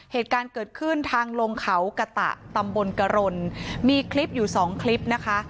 เหตุการณ์เกิดขึ้นทางลงเขากะตะตำบลกรณมีคลิปอยู่สองคลิปนะคะ